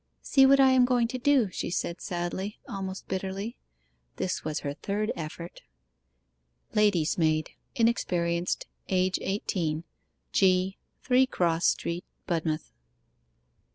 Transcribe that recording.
'See what I am going to do,' she said sadly, almost bitterly. This was her third effort: 'LADY'S MAID. Inexperienced. Age eighteen. G., 3 Cross Street, Budmouth.